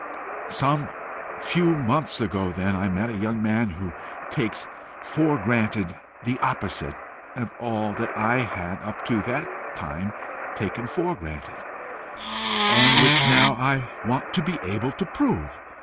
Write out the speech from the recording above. "Some few months ago then, I met a young man who takes for granted the opposite of all that I had up to that time taken for granted, and which now I want to be able to prove.